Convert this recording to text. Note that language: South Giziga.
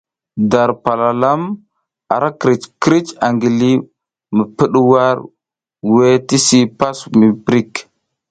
Dar palalama ara krǝc krǝc angi li mi pǝɗwar weʼe tisi pas miprik.